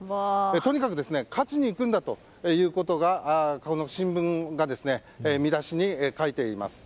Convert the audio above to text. とにかく勝ちに行くんだということがこの新聞が見出しに書いています。